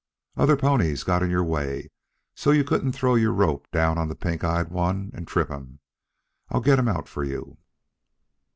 "Other ponies got in your way so you couldn't throw your rope down on the pink eyed one and trip him. I'll get him out for you."